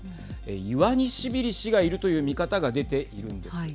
イワニシビリ氏がいるという見方が出ているんです。